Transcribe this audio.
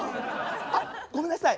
あごめんなさい。